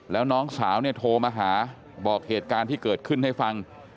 แล้วน้องสาวเนี่ยโทรมาหาบอกเหตุการณ์ที่เกิดขึ้นให้ฟัง